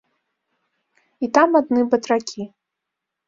І там адны батракі.